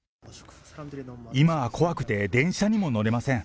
今は怖くて、電車にも乗れません。